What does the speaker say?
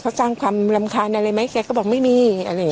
เขาสร้างความรำคาญอะไรไหมแกก็บอกไม่มีอะไรอย่างนี้